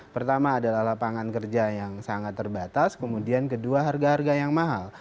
pertama adalah lapangan kerja yang sangat terbatas kemudian kedua harga harga yang mahal